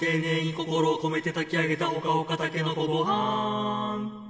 「心をこめてたき上げたほかほかたけのこごはん！」